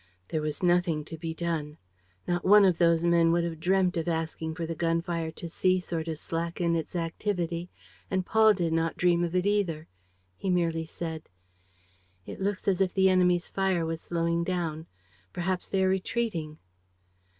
There was nothing to be done. Not one of those men would have dreamt of asking for the gun fire to cease or to slacken its activity. And Paul did not dream of it, either. He merely said: "It looks as if the enemy's fire was slowing down. Perhaps they are retreating.